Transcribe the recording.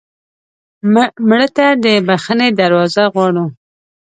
مړه ته د بښنې دروازه غواړو